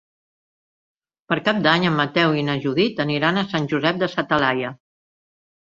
Per Cap d'Any en Mateu i na Judit aniran a Sant Josep de sa Talaia.